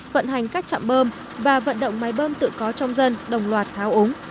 vận hành các trạm bơm và vận động máy bơm tự có trong dân đồng loạt tháo úng